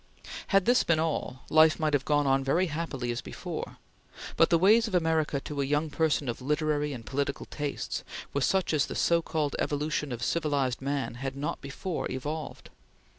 Had this been all, life might have gone on very happily as before, but the ways of America to a young person of literary and political tastes were such as the so called evolution of civilized man had not before evolved.